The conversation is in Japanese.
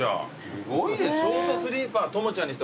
すごいですね。